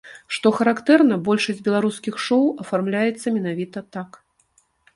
Што характэрна, большасць беларускіх шоу афармляецца менавіта так.